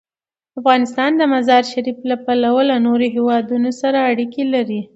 افغانستان د مزارشریف له پلوه له نورو هېوادونو سره اړیکې لري.